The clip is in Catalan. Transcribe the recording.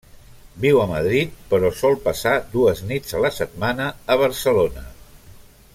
Viu a Madrid però sol passar dues nits a la setmana a Barcelona.